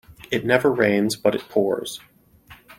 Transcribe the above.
It never rains but it pours.